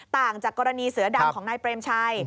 ต่างจากกรณีเสือดำของนายเปรมชัย